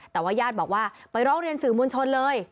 แต่ว่าญาติบอกว่าไปร้องเรียนสื่อมวลชนเลย